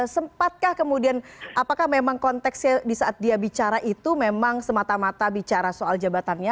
sempatkah kemudian apakah memang konteksnya di saat dia bicara itu memang semata mata bicara soal jabatannya